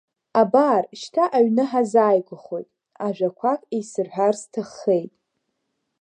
Абар шьҭа аҩны ҳазааигәахоит, ажәақәак исырҳәар сҭаххеит.